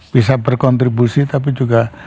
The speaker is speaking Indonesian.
bisa berkontribusi tapi juga